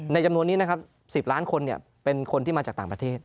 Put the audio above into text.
จำนวนนี้นะครับ๑๐ล้านคนเป็นคนที่มาจากต่างประเทศ